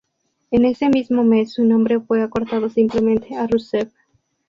En ese mismo mes, su nombre fue acortado simplemente a Rusev.